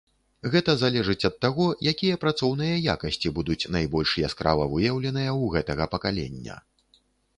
Гэта залежыць ад таго, якія працоўныя якасці будуць найбольш яскрава выяўленыя ў гэтага пакалення.